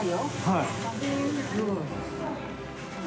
はい。